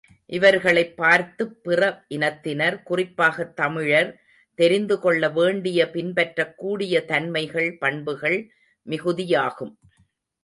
இவர்களைப் பார்த்துப் பிற இனத்தினர், குறிப்பாகத் தமிழர் தெரிந்துகொள்ள வேண்டிய பின்பற்றக்கூடிய தன்மைகள் பண்புகள் மிகுதியாகும்.